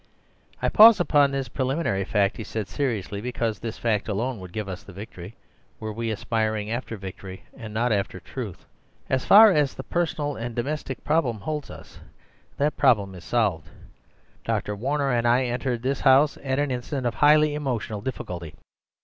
"I pause upon this pre liminary fact," he said seriously, "because this fact alone would give us the victory, were we aspiring after victory and not after truth. As far as the personal and domestic problem holds us, that problem is solved. Dr. Warner and I entered this house at an instant of highly emotional diff'culty.